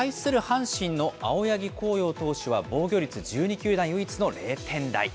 阪神の青柳晃洋投手は、防御率、１２球団唯一の０点台。